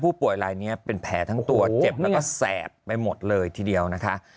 ลายนี้เป็นแผลทั้งตัวเจ็บแล้วก็แสบไปหมดเลยทีเดียวนะคะ